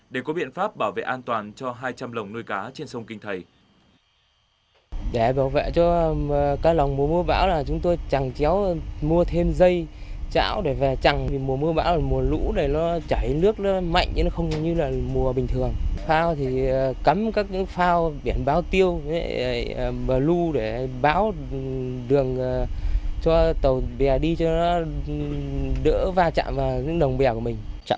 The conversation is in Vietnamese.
để có biện pháp bảo vệ an toàn cho hai trăm linh lồng nuôi cá trên sông kinh thầy